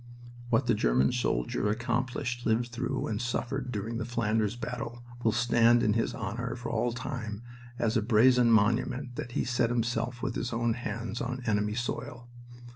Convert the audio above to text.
"What the German soldier accomplished, lived through, and suffered during the Flanders battle will stand in his honor for all time as a brazen monument that he set himself with his own hands on enemy soil!